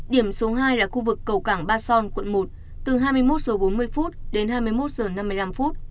điểm số hai là khu vực cầu cảng ba son quận một từ hai mươi một h bốn mươi đến hai mươi một h năm mươi năm